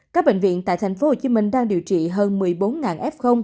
các bệnh viện tại tp hcm đang điều trị hơn một mươi bốn f